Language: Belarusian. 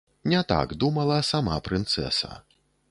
Не так думала сама прынцэса.